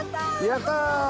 やったー！